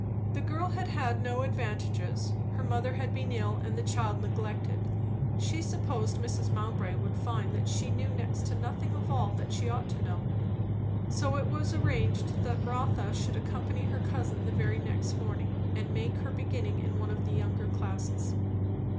The girl had had no advantages; her mother had been ill and the child neglected; she supposed Mrs. Mowbray would find that she knew next to nothing of all that she ought to know. So it was arranged that Rotha should accompany her cousin the very next morning, and make her beginning in one of the younger classes.